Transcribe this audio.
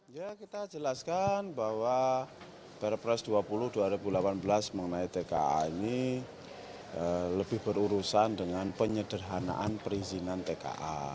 ya kita jelaskan bahwa perpres dua puluh dua ribu delapan belas mengenai tka ini lebih berurusan dengan penyederhanaan perizinan tka